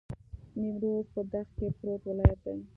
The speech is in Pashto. نیمروز په دښت کې پروت ولایت دی.